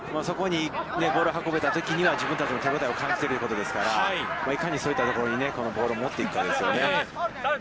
そこにボールを運べたときには、自分たちの手応えを感じているということですから、いかにそういったところにボールを持っていくかですよね。